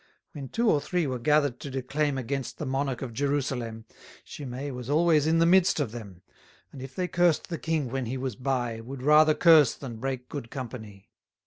600 When two or three were gather'd to declaim Against the monarch of Jerusalem, Shimei was always in the midst of them; And if they cursed the king when he was by, Would rather curse than break good company.